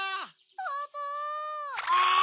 ・・ポポ！